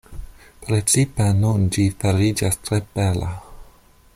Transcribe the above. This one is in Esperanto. Precipe nun ĝi fariĝas tre bela.